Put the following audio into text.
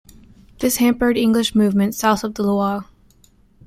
This hampered English movement south of the Loire.